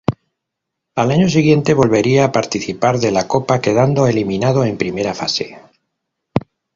Al año siguiente volvería a participar de la copa, quedando eliminado en primera fase.